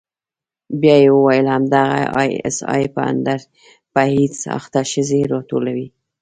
بيا يې وويل همدغه آى اس آى په ايډز اخته ښځې راټولوي.